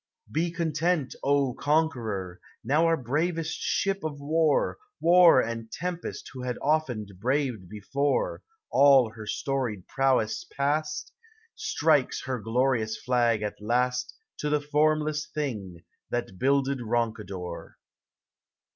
Be content, O conqueror! Now our bravest ship of war, THE SEA. 423 War and tempest who had often braved before, All her storied prow ess past , Strikes her glorious flag at last To the formless thing that builded Roncador.